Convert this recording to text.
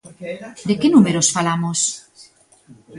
De que números falamos?